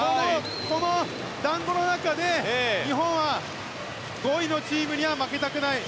この団子の中で、日本は５位のチームには負けられない。